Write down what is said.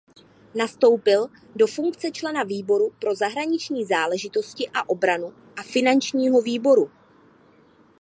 Nastoupil do funkce člena výboru pro zahraniční záležitosti a obranu a finančního výboru.